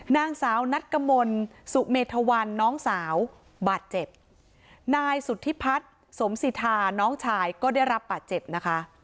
นางสาวนัดกมลสุเมธวันน้องสาวบาดเจ็บนายสุธิพัฒน์สมสิทาน้องชายก็ได้รับบาดเจ็บนะคะ